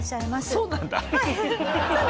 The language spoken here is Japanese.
そうなんだ。